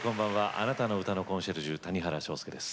あなたの歌のコンシェルジュ谷原章介です。